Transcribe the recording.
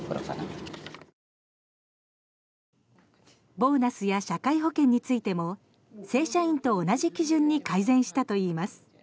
ボーナスや社会保険についても正社員と同じ基準に改善したといいます。